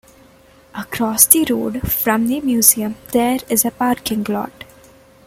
Across the road from the museum there is a parking lot.